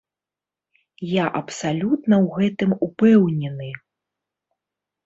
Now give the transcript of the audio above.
Я абсалютна ў гэтым упэўнены.